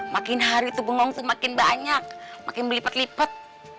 makin hari tuh bengong tuh makin banyak makin melipet lipet